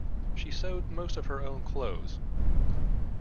She sewed most of her own clothes.